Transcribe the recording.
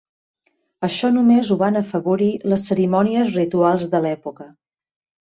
Això només ho van afavorir les cerimònies rituals de l'època.